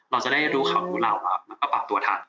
เราจะได้รู้ข่าวดูเหล่าแล้วก็ปรับตัวทัด